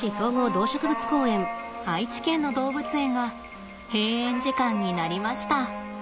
愛知県の動物園が閉園時間になりました。